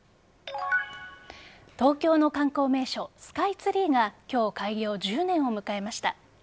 東京の観光名所スカイツリーが今日、開業１０年を迎えました。